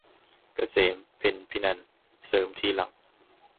เกษม เพ็ญภินันท์ เสริมทีหลัง